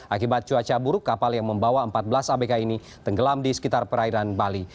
akibat cuaca buruk kapal yang membawa empat belas abk ini tenggelam di sekitar perairan bali